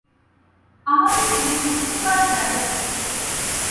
আমাদিগকে বুদ্ধির পারে যাইতে হইবে।